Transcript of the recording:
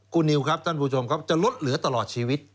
คุณนิวครับท่านผู้ชมครับจะลดเหลือตลอดชีวิต